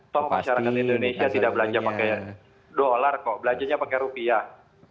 toh masyarakat indonesia tidak belanja pakai dolar kok belanjanya pakai rupiah